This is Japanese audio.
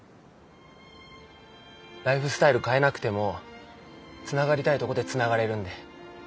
ライフスタイル変えなくてもつながりたいとこでつながれるんで。